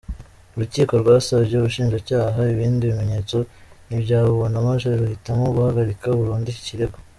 Urukiko rwasabye ubushinjacyaha ibindi bimenyetso ntibyabubona maze ruhitamo guhagarika burundu iki kirego.